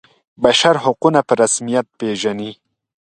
بشر حقونه په رسمیت پيژني.